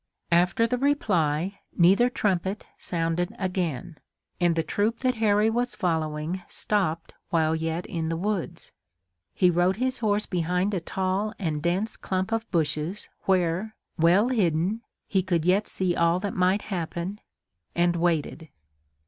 After the reply neither trumpet sounded again, and the troop that Harry was following stopped while yet in the woods. He rode his horse behind a tall and dense clump of bushes, where, well hidden, he could yet see all that might happen, and waited.